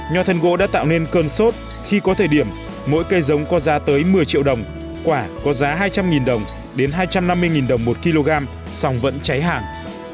nho thân gỗ đã tạo nên cơn sốt khi có thời điểm mỗi cây giống có giá tới một mươi triệu đồng quả có giá hai trăm linh đồng đến hai trăm năm mươi đồng một kg sòng vẫn cháy hàng